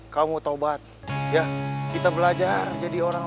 terus bu devi jadi janda